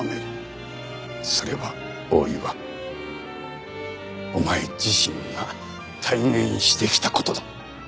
それは大岩お前自身が体現してきた事だ。